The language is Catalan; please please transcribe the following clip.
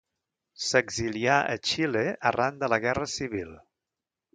S'exilià a Xile arran de la Guerra Civil.